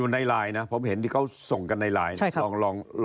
ในไลน์นะผมเห็นที่เขาส่งกันในไลน์